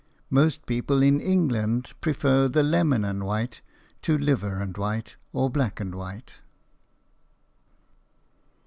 Most people in England prefer the lemon and white to liver and white, or black and white.